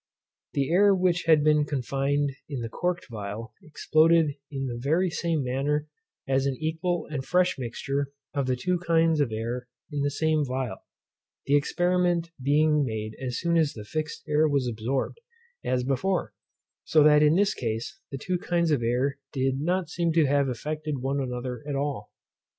The air which had been confined in the corked phial exploded in the very same manner as an equal and fresh mixture of the two kinds of air in the same phial, the experiment being made as soon as the fixed air was absorbed, as before; so that in this case, the two kinds of air did not seem to have affected one another at all.